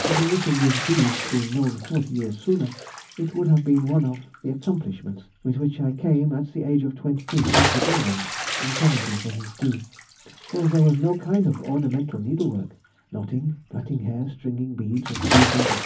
Had the knitting with beads been known forty years sooner, it would have been one of the accomplishments with which I came, at the age of twenty two, into England in 1772, for there was no kind of ornamental needlework, knotting, plaiting hair, stringing beads and bugles, &c.